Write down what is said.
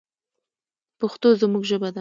پښتو زموږ ژبه ده